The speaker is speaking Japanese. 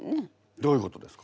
どういうことですか？